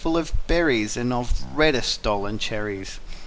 Full of berries, And of reddest stolen cherries.